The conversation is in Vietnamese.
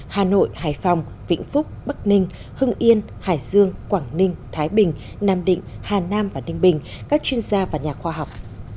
hà nội hải phòng vĩnh phúc bắc ninh hưng yên hải dương quảng ninh thái bình nam định hà nam và ninh bình các chuyên gia và nhà khoa học